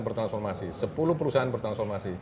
bertransformasi sepuluh perusahaan bertransformasi